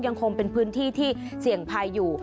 ยังคงเป็นพื้นที่ที่เสี่ยงภัยอยู่